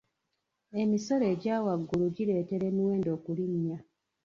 Emisolo egya waggulu gireetera emiwendo okulinnya.